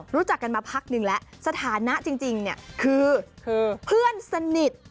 รู้จักกันมาพักนึงแล้วสถานะจริงเนี่ยคือเพื่อนสนิท